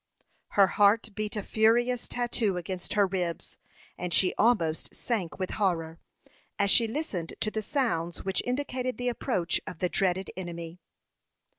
Her heart beat a furious tattoo against her ribs, and she almost sank with horror, as she listened to the sounds which indicated the approach of the dreaded enemy.